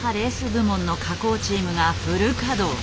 部門の加工チームがフル稼働。